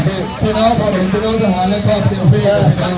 ครื้อของผมตุ๊กโอธันหวานและก็อย่างล่ะ